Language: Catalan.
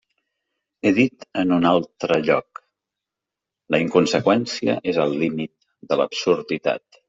He dit en un altre lloc: la inconseqüència és el límit de l'absurditat.